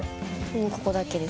もうここだけです。